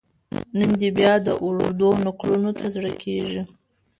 نن دي بیا اوږدو نکلونو ته زړه کیږي